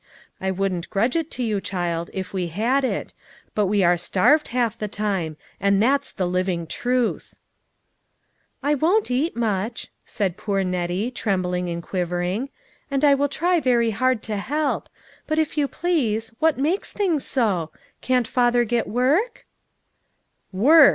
I wouldn't grudge it to you, child, if we had it ; but we are starved, half the time, and that's the living truth." "I won't eat much," said poor Nettie, trem bling and quivering, " and I will try very hard to help ; but if you please, what makes things so ? Can't father get work ?"" Work